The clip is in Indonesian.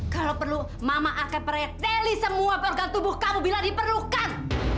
kalau perlu mama akan mereteli semua organ tubuh kamu bila diperlukan